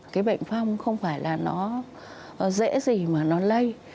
cái bệnh phong không phải là nó dễ gì mà nó lây